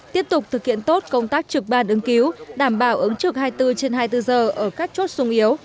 tiếp tục thực hiện tốt công tác trực ban ứng cứu đảm bảo ứng trực hai mươi bốn trên hai mươi bốn giờ ở các chốt sung yếu